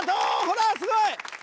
ほらすごい！